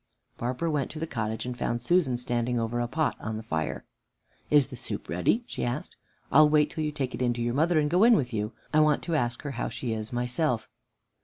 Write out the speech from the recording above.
Barbara went to the cottage and found Susan standing over a pot on the fire. "Is the soup ready?" she asked. "I'll wait till you take it in to your mother and go in with you. I want to ask her how she is, myself."